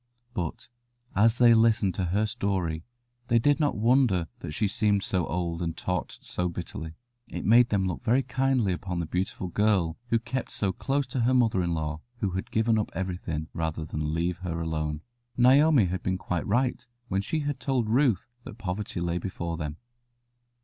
But as they listened to her story they did not wonder that she seemed so old and talked so bitterly. It made them look very kindly upon the beautiful girl who kept so close to her mother in law, who had given up everything rather than leave her alone. [Illustration: He spoke very kindly.] Naomi had been quite right when she had told Ruth that poverty lay before them.